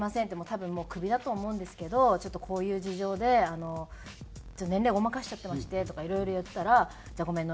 多分もうクビだと思うんですけどちょっとこういう事情で年齢ごまかしちゃってまして」とかいろいろ言ったら「じゃあごめん。